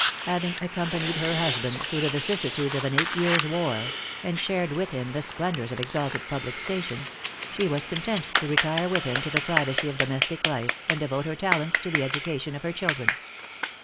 Having accompanied her husband through the vicissitudes of an eight years' war and shared with him the splendors of exalted public station she was content to retire with him to the privacy of domestic life, and devote her talents to the education of her children.